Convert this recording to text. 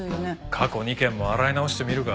過去２件も洗い直してみるか。